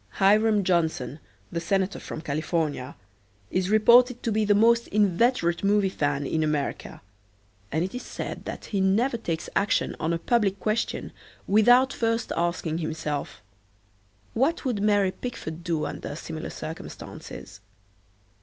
Hiram Johnson, the senator from California, is reported to be the most inveterate movie fan in America, and it is said that he never takes action on a public question without first asking himself, "What would Mary Pickford do under similar circumstances?"